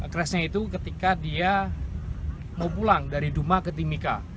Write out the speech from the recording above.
crashnya itu ketika dia mau pulang dari duma ke timika